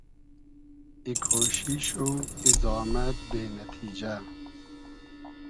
ای کۉشیش و ای زامئد بې نئتیجۂ